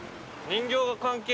人形が関係。